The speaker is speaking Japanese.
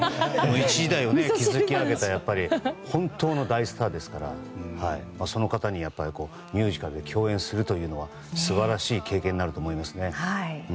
一時代を築き上げた本当の大スターですからその方とミュージカルで共演できるというのは素晴らしい経験にはなると思いますね。